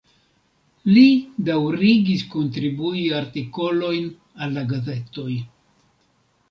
Li daŭrigis kontribui artikolojn al la gazetoj.